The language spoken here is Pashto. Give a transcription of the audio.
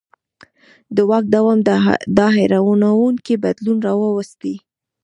د واک دوام دا حیرانوونکی بدلون راوستی.